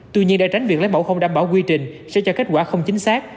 tuy nhiên để tránh việc lấy mẫu không đảm bảo quy trình sẽ cho kết quả không chính xác